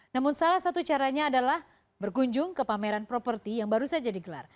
namun salah satu caranya adalah berkunjung ke pameran properti yang baru saja digelar